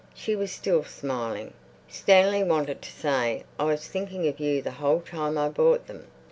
She was still smiling. Stanley wanted to say, "I was thinking of you the whole time I bought them."